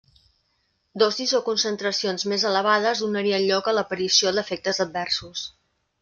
Dosis o concentracions més elevades donarien lloc a l'aparició d'efectes adversos.